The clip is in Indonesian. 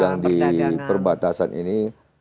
yang di perbatasan ini